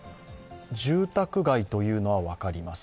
住宅街というのは分かります。